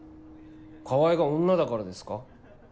川合が女だからですか？